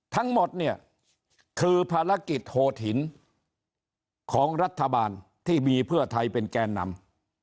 ทั้งหมดเนี่ยคือภารกิจโหดหินของรัฐบาลที่มีเพื่อไทยเป็นแกนนำ